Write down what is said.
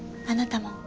あなたも。